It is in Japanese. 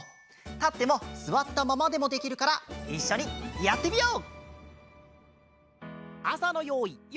たってもすわったままでもできるからいっしょにやってみよう！